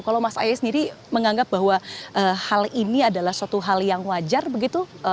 kalau mas ahaye sendiri menganggap bahwa hal ini adalah suatu hal yang wajar begitu